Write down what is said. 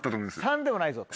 ３でもないと。